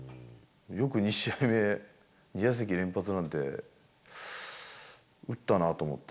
よく２試合目、２打席連発なんて、打ったなと思って。